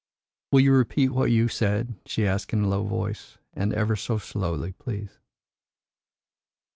"Will you repeat what you said?" she asked in a low voice; "and ever so slowly, please."